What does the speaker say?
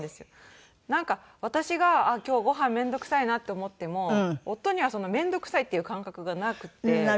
なんか私が今日ごはん面倒くさいなって思っても夫にはその面倒くさいっていう感覚がなくて。